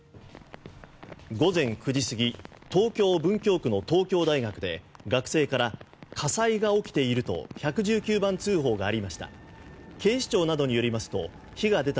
午前９時過ぎ東京・文京区の東京大学で学生から火災が起きていると１１９番通報がありました。